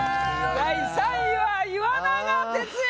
第３位は岩永徹也！